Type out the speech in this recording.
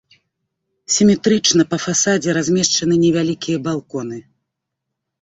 Сіметрычна па фасадзе размешчаны невялікія балконы.